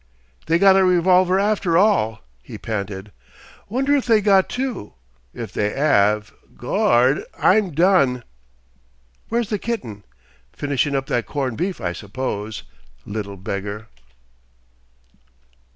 "They got a revolver after all!" he panted.... "Wonder if they got two? If they 'ave Gord! I'm done! "Where's the kitten? Finishin' up that corned beef, I suppose. Little beggar!"